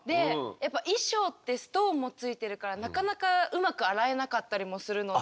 衣装ってストーンもついてるからなかなかうまく洗えなかったりもするので。